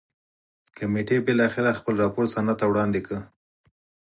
کمېټې بالاخره خپل راپور سنا ته وړاندې کړ.